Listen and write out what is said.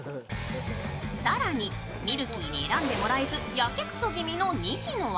さらにみるきーに選んでもらえずやけくそ気味の西野は